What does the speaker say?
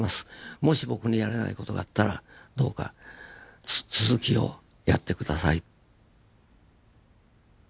もし僕にやれない事があったらどうか続きをやって下さい。